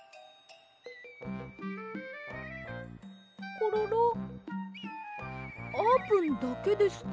コロロあーぷんだけですか？